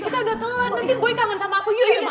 kita udah telat